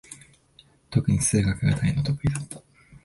とくに数学が大の得意だった。